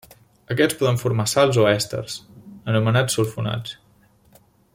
Aquests poden formar sals o èsters, anomenats sulfonats.